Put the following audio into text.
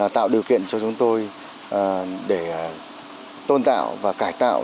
tạo điều kiện cho chúng tôi để tôn tạo và cải tạo